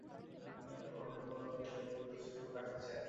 বারান্দায় ঘন্টার পর ঘন্টা দাঁড়িয়ে থাকা খুবই কষ্টের সময় কাটতেই চায় না।